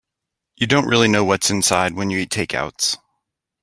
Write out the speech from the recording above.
You don't really know what's inside when you eat takeouts.